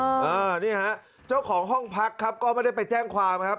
อ่านี่ฮะเจ้าของห้องพักครับก็ไม่ได้ไปแจ้งความครับ